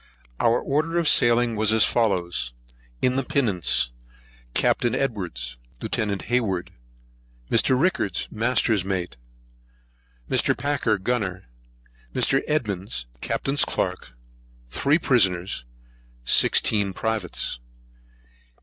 Our order of sailing was as follows. In the Pinnace: Capt. Edwards, Lieut. Hayward, Mr. Rickards, Master's Mate, Mr. Packer, Gunner, Mr. Edmonds, Captain's Clerk, Three Prisoners, Sixteen Privates.